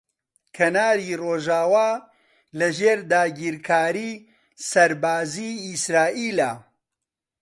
کەناری ڕۆژاوا لەژێر داگیرکاریی سەربازیی ئیسرائیلە.